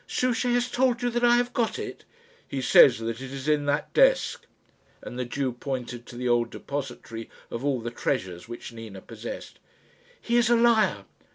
"Souchey has told you that I have got it?" "He says that it is in that desk," and the Jew pointed to the old depository of all the treasures which Nina possessed. "He is a liar."